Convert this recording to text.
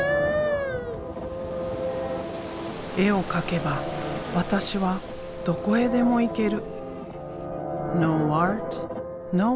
絵を描けば私はどこへでも行ける。